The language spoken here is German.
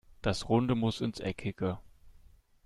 Das Runde muss ins Eckige.